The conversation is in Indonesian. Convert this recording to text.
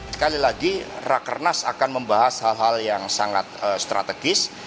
sekali lagi rakernas akan membahas hal hal yang sangat strategis